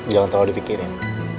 jangan terlalu dipikirin